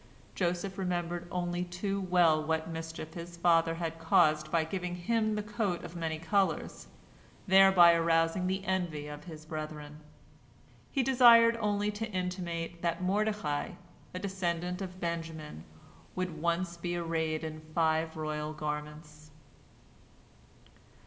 Joseph remembered only too well what mischief his father had caused by giving him the coat of many colors, thereby arousing the envy of his brethren. He desired only to intimate that Mordecai, a descendant of Benjamin, would once be arrayed in five royal garments.